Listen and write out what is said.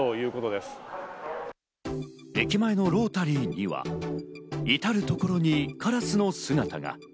駅前のロータリーには至るところにカラスの姿が。